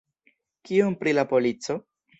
Kion pri la polico?